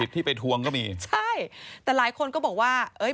ที่ไปทวงก็มีใช่แต่หลายคนก็บอกว่าเอ้ย